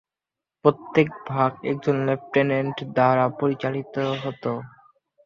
প্রত্যেক ভাগ একজন লেফটেন্যান্ট জেনারেল দ্বারা পরিচালিত হত।